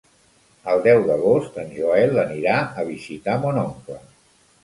El deu d'agost en Joel anirà a visitar mon oncle.